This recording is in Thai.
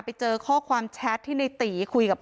ไปเจอข้อความแชทที่ในตีคุยกับ